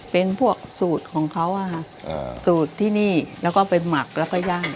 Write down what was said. เป็นพวกสูตรของเขาสูตรที่นี่แล้วก็ไปหมักแล้วก็ย่าง